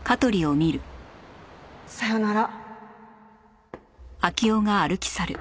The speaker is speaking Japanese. さようなら。